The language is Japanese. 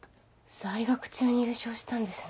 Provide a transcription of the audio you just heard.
在学中に優勝したんですね。